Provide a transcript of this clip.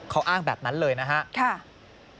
เขาอ้างแบบนั้นเลยนะครับ